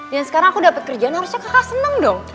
dan sekarang aku dapet kerjaan harusnya kakak seneng dong